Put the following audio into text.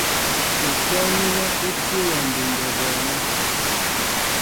Ukɛ́ɛ́ mínɛ ú tí wɔ mbindɛ bɔɔnɛ́.